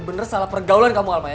bener bener salah pergaulan kamu alma ya